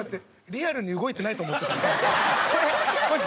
リアルに動いてないと思ってたんだ。